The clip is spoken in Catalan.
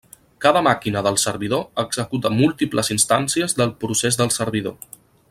Cada màquina del servidor executa múltiples instàncies del procés del servidor.